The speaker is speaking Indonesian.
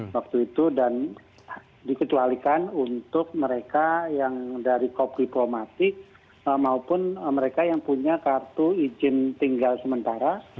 waktu itu dan dikecualikan untuk mereka yang dari kop diplomatik maupun mereka yang punya kartu izin tinggal sementara